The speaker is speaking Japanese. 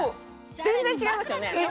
全然違いますよね？